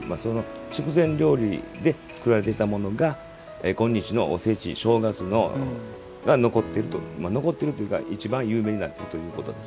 祝膳料理で作られていたものが今日のおせち正月に残っているというか一番有名になっているということです。